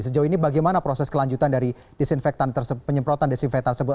sejauh ini bagaimana proses kelanjutan dari penyemprotan desinfek tersebut